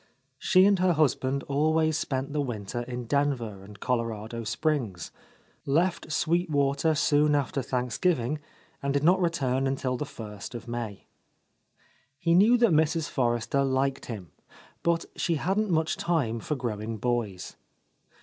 She and her husband always spent the winter in Denver and Colorado Springs, — left Sweet Water soon after Thanksgiving and did not return until the first of May. He knew that Mrs. Forrester liked him, but she hadn't much time for growing boys.